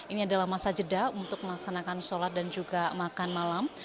ini adalah masa jeda untuk melaksanakan sholat dan juga makan malam